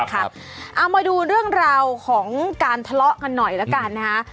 เอามาดูเรื่องราวของการทะเลาะกันหน่อยละกันนะคะ